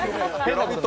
「ラヴィット！」